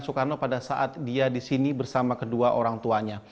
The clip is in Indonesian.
soekarno pada saat dia di sini bersama kedua orang tuanya